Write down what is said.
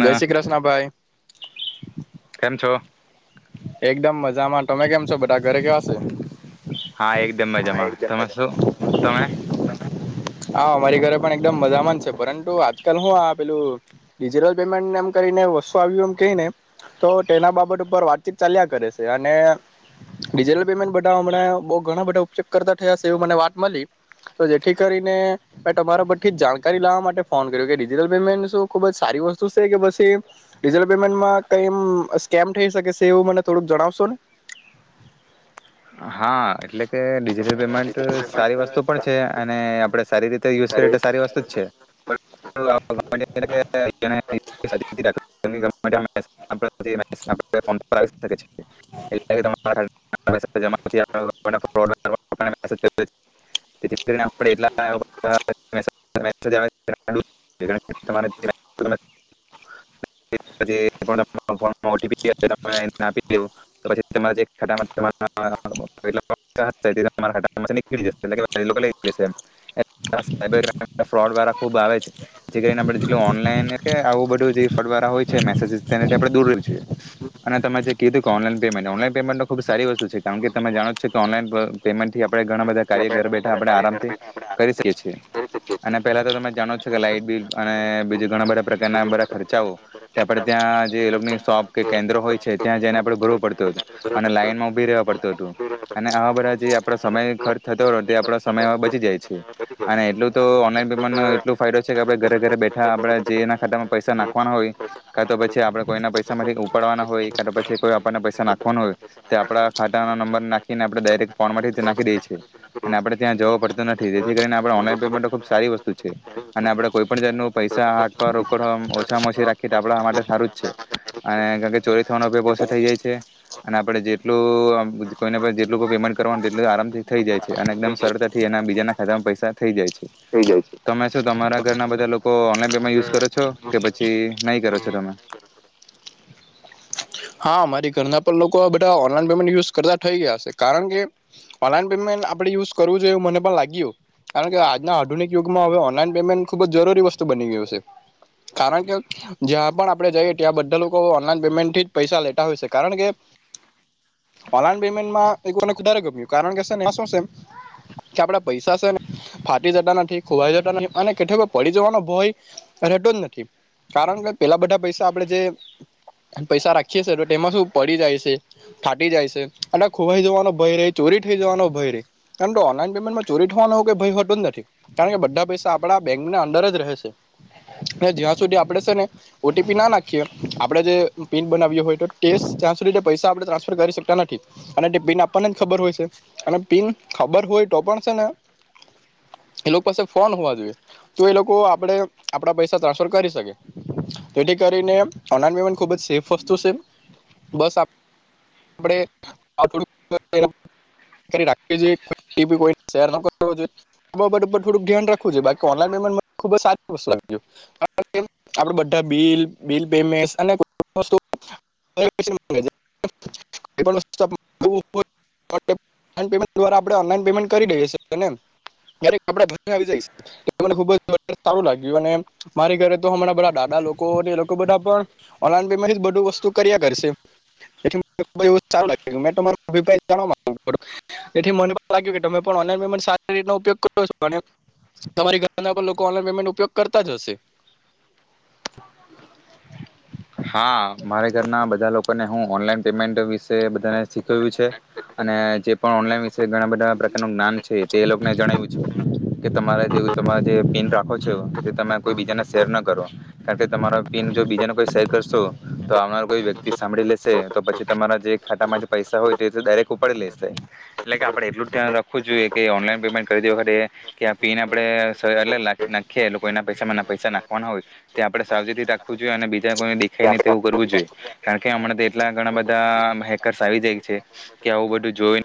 જય શ્રી કૃષ્ણ ભાઈ કેમ છો એકદમ મજામાં. તમે કેમ છો બધા ઘરે કેવા શે? હા એકદમ મજામાં તમે શું તમે? હા અમારી ઘરે પણ એકદમ મજામાં છે પરંતુ આજકાલ હું આ પેલુંિજટલ પેમેન્ટ એમ કરીને વસ્તુ આવ્યું એમ કહીને તો તેના બાબત ઉપર વાતચીત ચાલ્યા કરે છે અનેિજટલ પેમેન્ટ બધામણાં બ ઘણા બધા ચેક કરતા થયા છે એવ મને વાત મળી તો જેથી કરીને મે તમારા પરથી જ જાણકારી લાવવા માટે ફોન કર્યો કે ડિજટલ પેમેન્ટ શું ખુબ જ સારી વસ્તુ છે કે પછી ડિજિટલ પેમેન્ટમાં કોઈ સ્કેમ થઈ શકે છે એવું મને થોડું જણાવશો ને. હા એટલે કે ડિજિટલ પેમેન્ટ સારી વસ્તુ પણ છે અને આપણે સારી રીતે યુઝ અરે કરીએ સારી વસ્તુ જ છે. આપ ફો સા કરે છે. એટલે તમારે [unintelligible] [unintelligible] [unintelligible] [unintelligible] ને ઓટીપી [unintelligible] લેવું. તો પછી તમારા જે ખાતામાં [unintelligible] સાયબર ફ્રોડ વાળા ખુબ આવે છે. જેથી કરીને જે ઓનલાઇન ફ્રોડ વાળા હોય છે જે મેસેજસ તેનાં આપડે દુર રહીએ છે. અને તમેવજે કીધું કે ઓનલાઇન પેમેન્ટ. ઓનલાઈન પેમેન્ટ તો ખૂબ સારી વેસ્ટ [unintelligible] કારણ કે તમે જાણો છો કે ઓનલાઈન પેમેન્ટ થી આપડે ઘણા બધા કાર્ય ઘર બેઠા આપડે આરામથી કરી શકીએ છીએ, અને પેલા તો તમે જાણો છો કે લાઈટ બિલ અને બીજા ઘણા બધા પ્રકારના બધા ખર્ચાઓ, આપણે ત્યાં જે એ લોકોની શોપ કે કેન્દ્રો હોય છે ત્યાં જઈને આપડે ભરવો પડતું હતુ, અને લાઈનમાં ઊભી રહેવા પડતુ હતું, અને આવા બધા જે આપણા સમય ખર્ચ થતો તે આપણા સમય બચી જાય છે, અને એટલું તો ઓનલાઈન પેમેન્ટનો એટલો ફાયદો છે કે, આપણે ઘરે ઘરે બેઠા આપણે જે એના ખાતામાં પૈસા નાખવાના હોય, કા તો પછી આપણે કોઈના પૈસામાંથી ઉપાડવાના હોય, કા તો પછી કોઈ આપણને પૈસા નાખવાના હોય, તે આપણા ખાટા નંબર નાખીને આપણે ડાયરેક્ટ ફોનમાંથી જ નાખી દઈએ છે, અને આપણે ત્યાં જવું પડતું નથી, જેથી કરીને આપણે ઓનલાઈન પેમેન્ટ ખૂબ સારી વસ્તુ છે, અને આપણે કોઈપણ જાતનું પૈસા હાથ પર રોકડ ઓછામાં ઓછી રાખીએ તો આપણા આ માટે સારું જ છે, અને કારણ કે ચોરી થવાનો ભી ઓછું થઈ જાય છે. અને આપણે જેટલું કોઈને જેટલું પેમેન્ટ કરવાનું, એટલુ આરામથી થઈ જાય છે, અને એકદમ સરળતાથી એના બીજાના ખાતામાં પૈસા થઈ જાય છે, થઈ જાય છે તમે શું તમારા ઘરના બધા લોકો ઓનલાન પેમેન્ટ યુઝ કરો છો? કે પછી નહી કરો છો તમે? હા, અમારી ઘરના પણ લોકો બધા ઓનલાઈન પેમેન્ટ યુઝ કરતા થઈ ગયા છે, કારણ કે ઓનલાન પેમેન્ટ આપણે યુઝ કરવું જોઈએ એવું મને પણ લાગ્યું, કારણ કે આજના આધુનિક યુગમાં હવે ઓનલાઈન પેમેન્ટ ખૂબ જ જરૂરી વસ્તુ બની ગયું છે, કારણ કે જ્યાં પણ આપણે જઈએ ત્યાં બધા લોકો ઓનલાન પેમેન્ટથી જ પૈસા લેતા હોય છ, કારણ કે ઓનલાન પેમેન્ટવાળું મને વધારે ગમ્યું કારણ કે શું છે. કે આપડા પૈસા છેને ફાટી જતા નથી, ખોવાઈ જતા નથી, અને કેથે પડી જવાનો ભય રહેતો જ નથી, કારણ કે પેલા બધા પૈસા આપે જે પૈસા રાખી તેમાં શું પડી જાય છે, ફાટી જાય છે, અને ખોવાઈ જવાનો ભય રે, ચોરી થઈ જવાનો ભય રે, કાર ઓનલાઈન પેમેન્ટમાં ચોરી થવાનોઈ ભય હોતોજ નથી કારણ કે બધા પૈસા આપડા બેંક ના અંદર જ રહે છે, જ્યાં સુધી આપડે છે ને ઓટીપી ના નાખીએ આપડે જે ત્યાં સુધી પૈસા આપણે ટ્રાન્સફર કરી શકતા નથી, અને તે પિન આપણને જ ખબર હોય છે, અને પિન ખબર હોય તો પણ છે ને, એ લોકો પાસે ફોન હોવા જોઈએ તો એ લોકો આપણે આપણા પૈસા ટ્રાન્સફર કરી શકે, તેથી કરીને ઓનલાઈન પેમેન્ટ ખુબ જ સેફ [unintelligible] મારી ઘરે તો દાદા લોકો લોકો બધા [unintelligible] ઓલાન પેમેન્ટથી બધુ વસ્તુ કર્યા કરશે, [unintelligible] હા મારે ઘરના બધા લોકોને હું ઓનલાઈન પેમેન્ટ વિશે બધાને શીખવ્યું છે, અને જે પણ ઓનલાઈન વિશે ઘણા બધા પ્રકારનું જ્ઞાન છે, તે લોકોને જણાવ્યું છે. કે તમારે જે તમે જે પિન રાખો છો, તમે કોઈ બીજાને શેર ના કરો, કારણ કે તમારા પિન જો બીજાને કોઈ કરશો. તો આવનાર કોઈ વ્યક્તિ સાંભળી લેશે, તો પછી તમારા જે ખાતા માંથી પૈસા હોય તે ડાયરેક્ટ ઉપાડી લેશે. એટલે આપણે એટલું જ ધ્યાન રાખવું જોઈએ, કે ઓનલાઈન પેમેન્ટ કરતી વખતે કે પિન આપડે એટલે નાખીએ લોકોના પૈસામાં ના પૈસા નાખવાના હોય તે આપણે સાવચેતી રાખવું જોઈએ. અને બીજા કોઈ ખઈને તેવું કરવું જોઈએ. કારણ કે હમણાં તો એટલા ઘણા બધા હેકર્સ આવી જાય છે. કે આવું બધું જોય